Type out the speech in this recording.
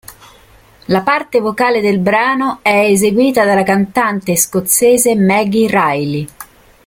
La parte vocale del brano è eseguita dalla cantante scozzese Maggie Reilly.